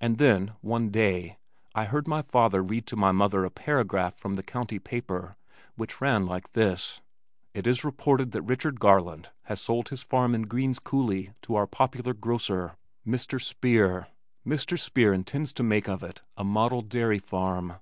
And then, one day, I heard my father read to my mother a paragraph from the county paper which ran like this, "It is reported that Richard Garland has sold his farm in Green's Coulee to our popular grocer, Mr. Speer. Mr. Speer intends to make of it a model dairy farm."